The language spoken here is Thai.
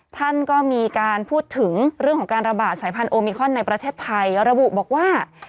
ท่านก็มีการพูดถึงเรื่องของการระบาดสายพันธุมิคอนในประเทศไทยระบุบอกว่า